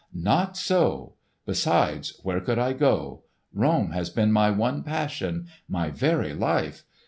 "Not so. Besides, where could I go? Rome has been my one passion—my very life!